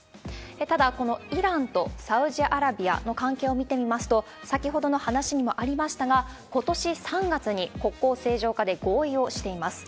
ただ、このイランとサウジアラビアの関係を見てみますと、先ほどの話にもありましたが、ことし３月に国交正常化で合意をしています。